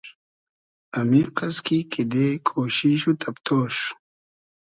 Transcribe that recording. امیقئس کی کیدې کوشیش و تئبتۉش